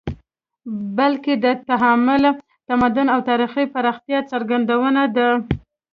بلکې د تعامل، تمدن او تاریخي پراختیا څرګندونه ده